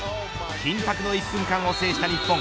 緊迫の１分間を制した日本。